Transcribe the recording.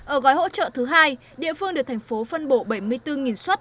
ở gói hỗ trợ thứ hai địa phương được thành phố phân bổ bảy mươi bốn xuất